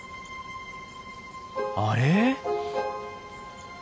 あれ？